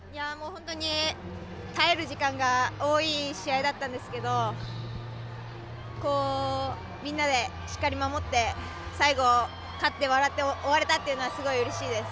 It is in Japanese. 耐える時間が多い試合だったんですけどみんなでしっかり守って勝って笑って終われたのはすごいうれしいです。